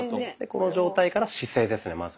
この状態から姿勢ですね